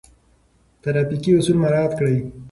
ترافيکي اصول مراعات کړئ.